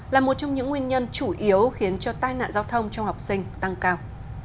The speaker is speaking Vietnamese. là một trong những nguyên nhân chủ yếu khiến cho tai nạn giao thông trong học sinh tăng cao